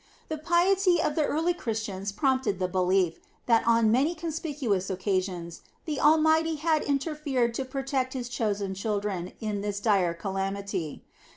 The piety of the early Christians prompted the belief that on many conspicuous occasions the Almighty had interfered to protect his chosen children in this dire calamity.